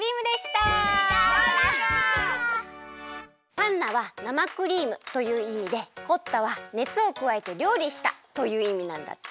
「パンナ」は生クリームといういみで「コッタ」はねつをくわえてりょうりしたといういみなんだって。